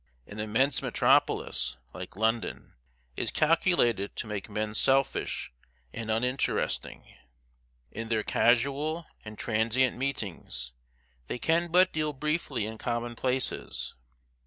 An immense metropolis, like London, is calculated to make men selfish and uninteresting. In their casual and transient meetings, they can but deal briefly in commonplaces.